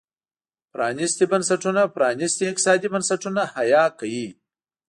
پرانيستي بنسټونه پرانيستي اقتصادي بنسټونه حیه کوي.